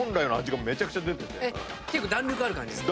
結構弾力ある感じですか？